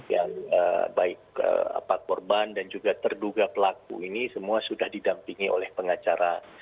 yang baik korban dan juga terduga pelaku ini semua sudah didampingi oleh pengacara